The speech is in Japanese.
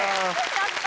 やった。